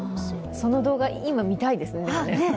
その動画、今、見たいですね。